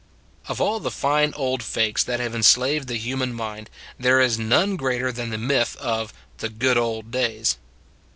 Of all the fine old fakes that have en slaved the human mind, there is none greater than the myth of the " good old days."